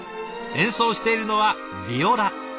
演奏しているのはヴィオラ。